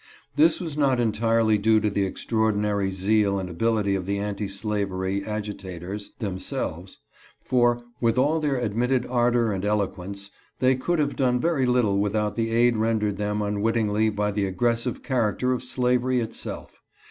Tins was not entirely due to the extraordinary zeal and ability of the anti slavery agitators themselves, for, with all their admitted ardor and eloquence, they could have done very little without the aid rendered them unwittingly by the aggressive character of slavery itself.